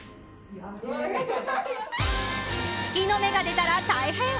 月の目が出たら大変！